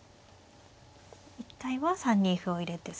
一回は３二歩を入れて。